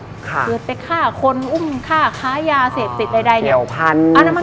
คือไปฆ่าคนอุ้มฆ่าค้ายาเศรษฐศิลป์ใดอย่างนี้